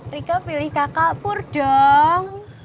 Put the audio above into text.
rika pilih kakak pur dong